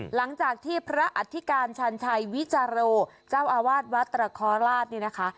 หลังจากที่พระอธิการชันชัยวิจาโรเจ้าอาวาสวัดตระคอราชนี่นะคะ